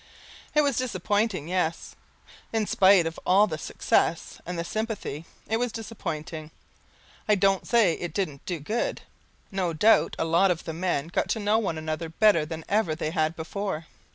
It was disappointing, yes. In spite of all the success and the sympathy, it was disappointing. I don't say it didn't do good. No doubt a lot of the men got to know one another better than ever they had before.